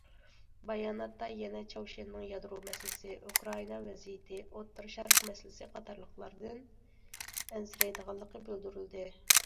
باياناتتا يەنە چاۋشيەننىڭ يادرو مەسىلىسى، ئۇكرائىنا ۋەزىيىتى، ئوتتۇرا شەرق مەسىلىسى قاتارلىقلاردىن ئەنسىرەيدىغانلىقى بىلدۈرۈلدى.